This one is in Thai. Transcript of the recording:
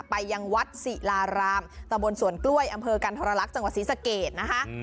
ไปยังวัดศิลารามตะบนสวนกล้วยอำเภอกันทรลักษณ์จังหวัดศรีสะเกดนะคะ